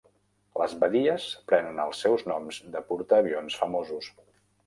Les badies prenen els seus noms de portaavions famosos.